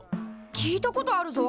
聞いたことあるぞ。